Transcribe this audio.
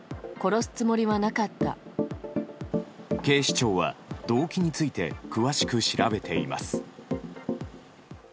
警視庁は動機について詳しく調べています。